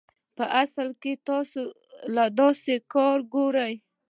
پۀ اصل کښې تاسو له داسې کار ګوري